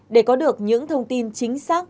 để có được những thông tin chính xác